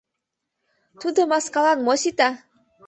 Тудо маскалан мо сита!